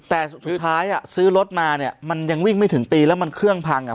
แต่สุดท้ายอ่ะซื้อรถมาเนี่ยมันยังวิ่งไม่ถึงปีแล้วมันเครื่องพังอ่ะ